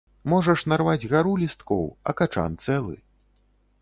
Можаш нарваць гару лісткоў, а качан цэлы.